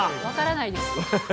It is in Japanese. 分からないです。